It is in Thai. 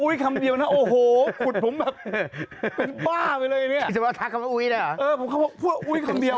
จำเป็นที่จะอ่านเรื่อย